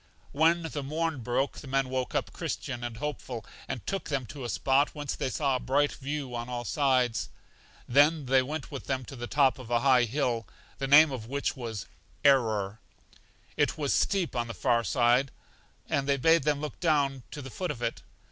When the morn broke, the men woke up Christian and Hopeful, and took them to a spot whence they saw a bright view on all sides. Then they went with them to the top of a high hill, the name of which was Error; it was steep on the far off side, and they bade them look down to the foot of it.